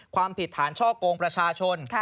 ความผิดฐานช่อกงประชาชน